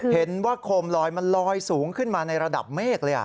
โคมลอยมันลอยสูงขึ้นมาในระดับเมฆเลย